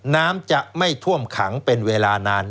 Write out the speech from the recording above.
น้ำจะไม่ท่วมขังเป็นเวลานาน